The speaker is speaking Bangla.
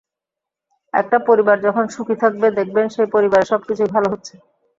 একটা পরিবার যখন সুখী থাকবে, দেখবেন সেই পরিবারের সবকিছুই ভালো হচ্ছে।